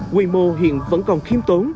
quy mô hiện vẫn còn khiêm